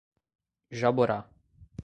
Jaborá